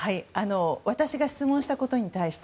私が質問したことに対して